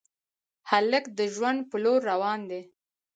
هلک د ژوند په لور روان دی.